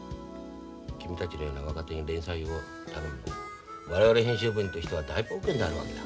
君たちのような若手に連載を頼むの我々編集部員としては大冒険になるわけだ。